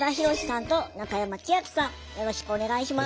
よろしくお願いします。